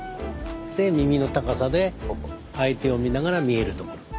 で耳の高さで相手を見ながら見えるところ。